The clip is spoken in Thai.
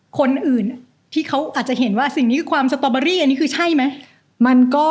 คนอื่นที่เขาอาจจะเห็นว่าสิ่งนี้คือความสตอเบอรี่อันนี้คือใช่ไหม